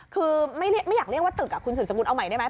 คือไม่อยากเรียกว่าตึกคุณสืบสกุลเอาใหม่ได้ไหม